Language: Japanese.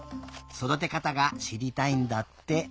そだてかたがしりたいんだって。